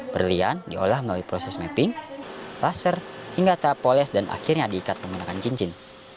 berlian diolah melalui proses mapping laser hingga tahap poles dan akhirnya diikat menggunakan cincin